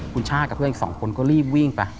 คุณช่ากับเพื่อนสองคนก็รีบวิ่งไป